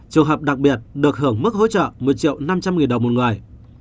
trường hợp đặc biệt được hưởng mức hỗ trợ một triệu năm trăm linh nghìn đồng một người